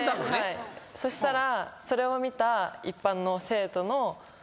そしたら。